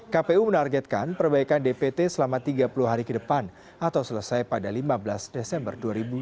kpu menargetkan perbaikan dpt selama tiga puluh hari ke depan atau selesai pada lima belas desember dua ribu dua puluh